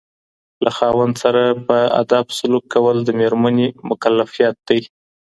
له خاوند سره په ادب سلوک کول د ميرمني مکلفيت دی.